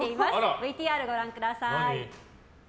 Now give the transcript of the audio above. ＶＴＲご覧ください。